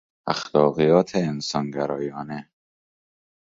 اخلاقیات انسان گرایانه